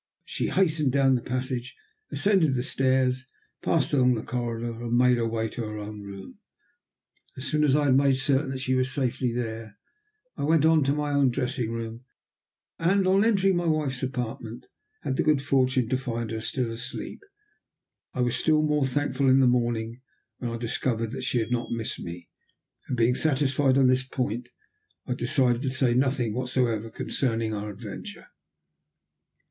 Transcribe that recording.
She hastened down the passage, ascended the stairs, passed along the corridor, and made her way to her own room. As soon as I had made certain that she was safely there, I went on to my own dressing room, and on entering my wife's apartment had the good fortune to find her still asleep. I was still more thankful in the morning when I discovered she had not missed me, and being satisfied on this point, I decided to say nothing whatsoever concerning our adventure.